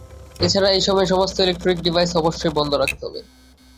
এছাড়াও, এই সময়ে সমস্ত ইলেকট্রনিক ডিভাইস অবশ্যই বন্ধ রাখতে হবে।